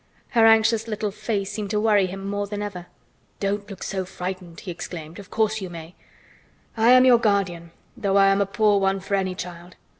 Her anxious little face seemed to worry him more than ever. "Don't look so frightened," he exclaimed. "Of course you may. I am your guardian, though I am a poor one for any child.